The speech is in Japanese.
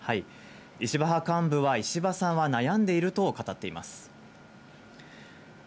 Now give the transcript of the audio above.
石破派幹部は、石破さんは悩んでいると語っています。